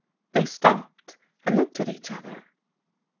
They stopped and looked at each other.